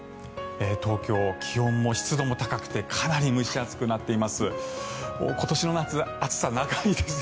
東京、気温も湿度も高くてかなり蒸し暑くなっています。